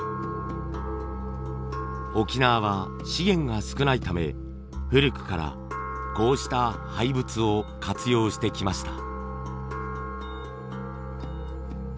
沖縄は資源が少ないため古くからこうした廃物を活用してきました。